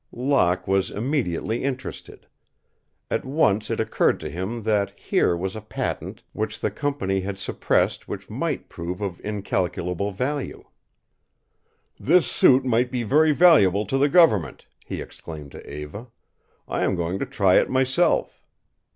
Locke was immediately interested. At once it occurred to him that here was a patent which the company had suppressed which might prove of incalculable value. "This suit might be very valuable to the government," he exclaimed to Eva. "I am going to try it myself."